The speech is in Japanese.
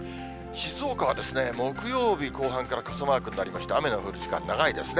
静岡は木曜日後半から傘マークになりまして、雨の降る時間長いですね。